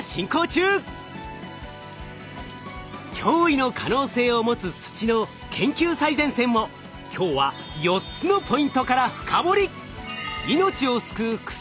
驚異の可能性を持つ土の研究最前線を今日は４つのポイントから深掘り。